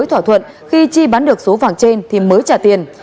thỏa thuận khi chi bán được số vàng trên thì mới trả tiền